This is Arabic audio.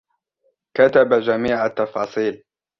كتب جميع التفاصيل.